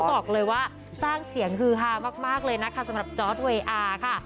บอกเลยว่าสร้างเสียงฮือฮามากเลยนะคะสำหรับจอร์ดเวอาร์ค่ะ